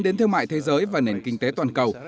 đến thương mại thế giới và nền kinh tế toàn cầu